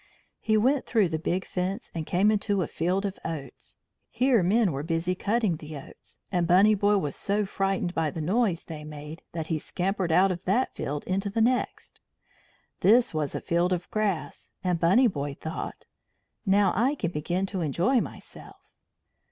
He went through the big fence, and came into a field of oats. Here men were busy cutting the oats, and Bunny Boy was so frightened by the noise they made that he scampered out of that field into the next. This was a field of grass, and Bunny Boy thought: "Now I can begin to enjoy myself."